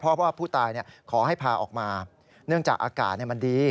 เพราะว่าผู้ตายขอให้พาออกมาเนื่องจากอากาศมันดี